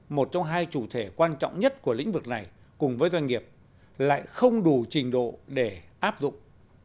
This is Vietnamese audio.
một trong hai chủ thể quan trọng nhất của lĩnh vực này cùng với doanh nghiệp lại không đủ trình độ để áp dụng